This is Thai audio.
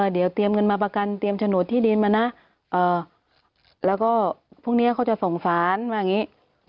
เดี๋ยวเตรียมเงินมาประกันเตรียมโฉนดที่ดินมานะแล้วก็พรุ่งนี้เขาจะส่งสารว่าอย่างนี้